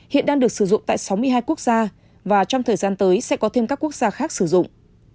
hiện đang được sử dụng tại sáu mươi hai quốc gia và trong thời gian tới sẽ có thêm các quốc gia khác sử dụng